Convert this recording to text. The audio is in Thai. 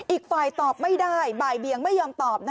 อีกฝ่ายตอบไม่ได้บ่ายเบียงไม่ยอมตอบ